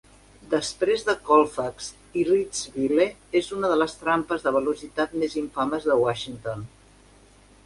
Després de Colfax i Ritzville, és una de les trampes de velocitat més infames de Washington.